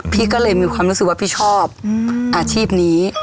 พี่ก็เลยมีความรู้สึกว่าพี่ชอบอาชีพนี้